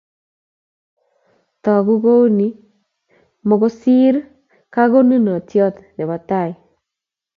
togu kuuni mokusir kakonunoito ne bo tai